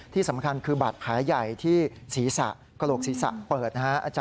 ที่สำคัญคือบัตรขาใหญ่ที่กระโหลกศรีษะเปิดนะฮะ